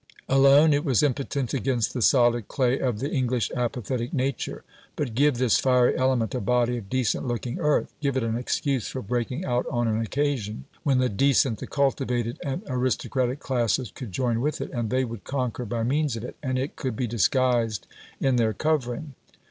Alone it was impotent against the solid clay of the English apathetic nature. But give this fiery element a body of decent looking earth; give it an excuse for breaking out on an occasion, when the decent, the cultivated, and aristocratic classes could join with it, and they would conquer by means of it, and it could be disguised in their covering.